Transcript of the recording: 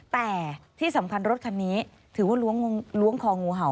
แต่ที่สำคัญรถคันนี้ถือว่าล้วงคองูเห่า